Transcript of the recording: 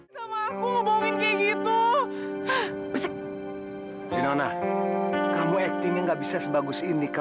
sampai jumpa di video selanjutnya